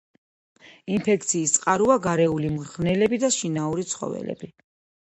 ინფექციის წყაროა გარეული მღრღნელები და შინაური ცხოველები.